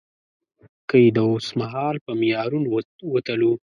که يې د اوسمهال په معیارونو وتلو.